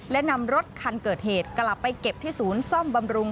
และนำรถคันเกิดเหตุกลับไปเก็บที่ศูนย์ซ่อมบำรุง